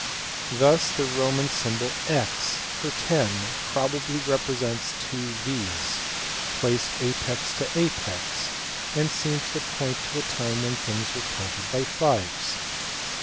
Thus the Roman symbol X for ten probably represents two "V"s, placed apex to apex and seems to point to a time when things were counted by fives*.